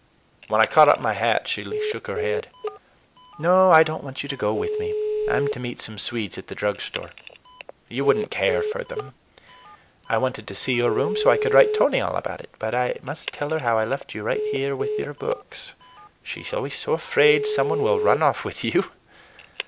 When I caught up my hat she shook her head. "No, I don't want you to go with me. I'm to meet some Swedes at the drug store. You would n't care for them. I wanted to see your room so I could write Tony all about it, but I must tell her how I left you right here with your books. She's always so afraid some one will run off with you!"